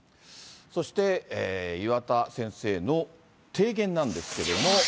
そして岩田先生の提言なんですけども。